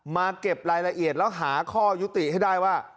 มาเก็บรายละเอียดแล้วหาข้อยุติให้ได้ว่า